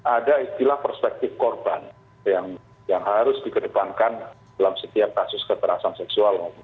ada istilah perspektif korban yang harus dikedepankan dalam setiap kasus kekerasan seksual